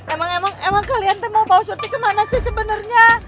emang emang kalian tuh mau bawa suntik kemana sih sebenarnya